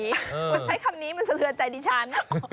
วิวใช้คำนี้มันเสนอใจดิฉัน